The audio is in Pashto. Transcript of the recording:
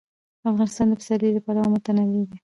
افغانستان د پسرلی له پلوه متنوع دی.